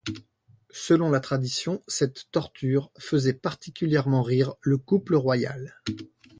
Selon la tradition, cette torture faisait particulièrement rire le couple royal.